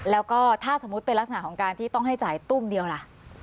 แล้วก็ถ้าสมมุติเป็นลักษณะของการที่ต้องให้จ่ายตุ้มเดียวล่ะ